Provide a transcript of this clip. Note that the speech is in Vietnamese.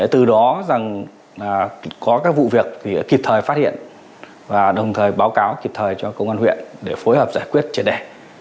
từ đó rằng có các vụ việc thì kịp thời phát hiện và đồng thời báo cáo kịp thời cho công an huyện để phối hợp giải quyết triệt đề